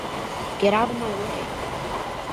Get out of my way!